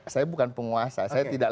saya bukan penguasa saya tidak